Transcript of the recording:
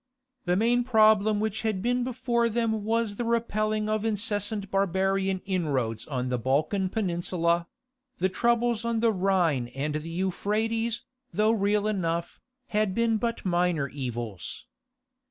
The main problem which had been before them was the repelling of incessant barbarian inroads on the Balkan Peninsula; the troubles on the Rhine and the Euphrates, though real enough, had been but minor evils.